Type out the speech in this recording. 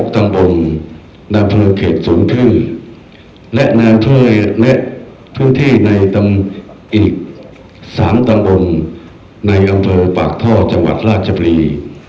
๖ตำบลในพื้นเข็ดสูงทึ่งและพื้นที่ในอีก๓ตำบลในอำเภอปากท่อจังหวัดราชบรี